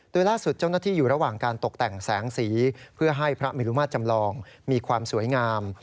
โดยล่าสุดเจ้าหน้าที่อยู่ระหว่างการตกแต่งแสงสีเพื่อให้พระมิลุมาตรจำลองมีความสวยงาม